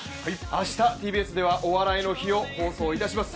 明日、ＴＢＳでは「お笑いの日」を放送いたします。